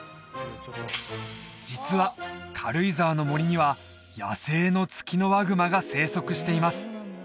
実は軽井沢の森には野生のツキノワグマが生息しています